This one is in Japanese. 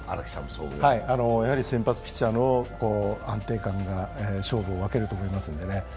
やはり先発ピッチャーの安定感が勝負を分けると思いますのでね。